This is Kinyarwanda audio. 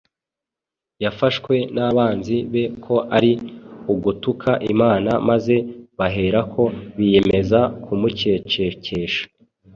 yafashwe n’abanzi be ko ari ugutuka Imana maze baherako biyemeza kumucecekesha.